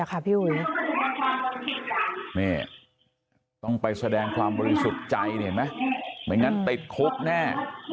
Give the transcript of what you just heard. อ่ะค่ะพี่อุ๋ยต้องไปแสดงความบริสุทธิ์ใจเห็นไหมเหมือนกันติดคุกแน่